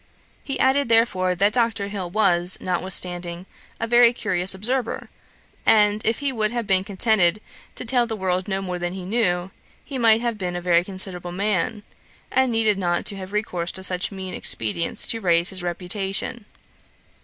He added, therefore, that Dr. Hill was, notwithstanding, a very curious observer; and if he would have been contented to tell the world no more than he knew, he might have been a very considerable man, and needed not to have recourse to such mean expedients to raise his reputation.